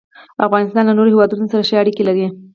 افغانستان له نورو هېوادونو سره ښې اړیکې لري.